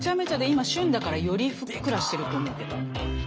今旬だからよりふっくらしてると思うけど。